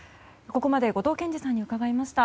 ここまで後藤謙次さんに伺いました。